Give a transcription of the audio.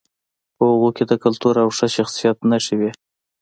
په هغې کې د کلتور او ښه شخصیت نښې وې